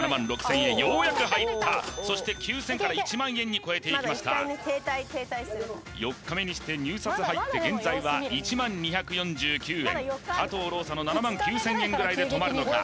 ようやく入ったそして９０００円から１万円に超えていきました４日目にして入札入って現在は１０２４９円加藤ローサの７９０００円ぐらいで止まるのか？